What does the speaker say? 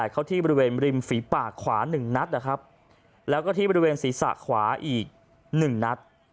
เข้าที่บริเวณริมฝีปากขวา๑นัดนะครับแล้วก็ที่บริเวณศีรษะขวาอีก๑นัด